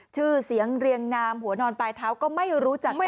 ชื่อเสียงเรียงนามหัวนอนปลายเท้าก็ไม่รู้จัก